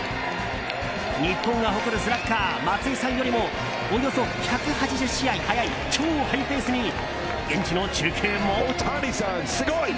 日本が誇るスラッガー松井さんよりもおよそ１８０試合早い超ハイペースに現地の中継も。